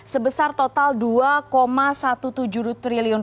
sebesar total rp dua lima triliun